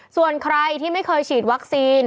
ส่วนใครที่ไม่เคยฉีดวัคซีน